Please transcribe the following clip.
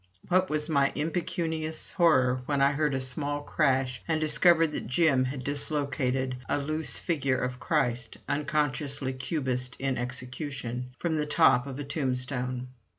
What was my impecunious horror, when I heard a small crash and discovered that Jim had dislocated a loose figure of Christ (unconsciously Cubist in execution) from the top of a tombstone!